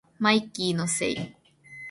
マイキーのせい